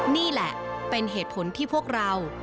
นี่แหละเป็นเหตุผลที่พวกเรา